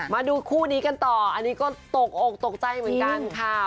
มาดูคู่นี้กันต่ออันนี้ก็ตกอกตกใจเหมือนกันค่ะ